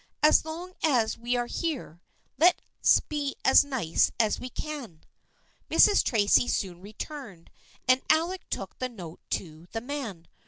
As long as we are here, let's be as nice as we can." Mrs. Tracy soon returned, and Alec took the note to the man.